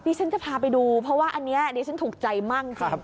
ฉันจะพาไปดูเพราะว่าอันนี้ดิฉันถูกใจมากจริง